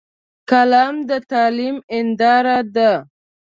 قلم د تعلیم هنداره ده